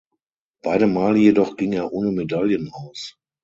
Beide Male jedoch ging er ohne Medaillen aus.